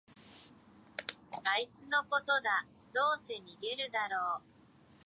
あいつのことだ、どうせ逃げるだろ